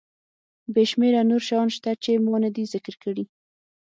بې شمېره نور شیان شته چې ما ندي ذکر کړي.